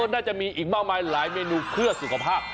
น่าจะมีอีกมากมายหลายเมนูเพื่อสุขภาพ